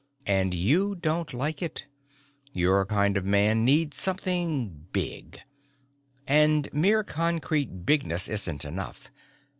"And you don't like it. Your kind of man needs something big. And mere concrete bigness isn't enough.